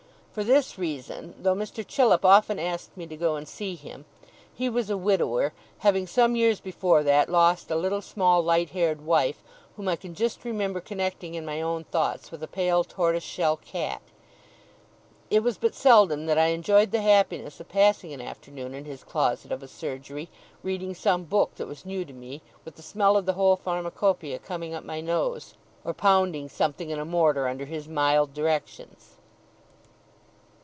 For this reason, though Mr. Chillip often asked me to go and see him (he was a widower, having, some years before that, lost a little small light haired wife, whom I can just remember connecting in my own thoughts with a pale tortoise shell cat), it was but seldom that I enjoyed the happiness of passing an afternoon in his closet of a surgery; reading some book that was new to me, with the smell of the whole Pharmacopoeia coming up my nose, or pounding something in a mortar under his mild directions.